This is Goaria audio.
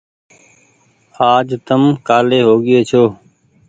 آج تم ڪآلي هوگيئي ڇو ۔